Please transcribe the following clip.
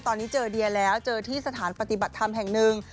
ตอนนี้เจอเดียแล้วเจอที่สถานปฏิบัติธรรมแห่งหนึ่ง